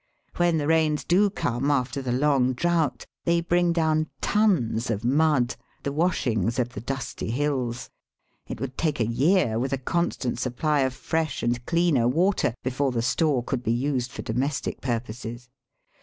When the rains do come, after the long drought, they bring down tons of mud, the washings of the dusty hills. It would take a year, with a constant supply of fresh and cleaner water, before the store could be used for domestic purposes.